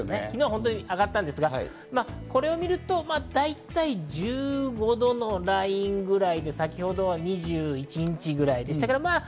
昨日、上がったんですが、これを見ると大体１５度のラインぐらいで先ほど２１日ぐらいでした。